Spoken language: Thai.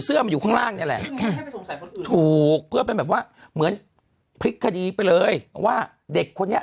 เสื้อหมายความง่ายถูกเพื่อเป็นแบบว่าเหมือนพริกคดีไปเลยว่าเด็กคนนี้